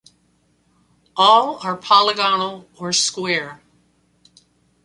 All are polygonal or square.